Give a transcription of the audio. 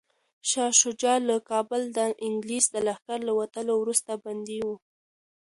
شاه شجاع له کابله د انګلیس د لښکر له وتلو وروسته بندي و.